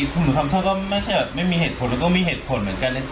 พวกหนูทำเท่าก็ไม่ใช่แบบไม่มีเหตุผลมันก็มีเหตุผลเหมือนกันเนี่ย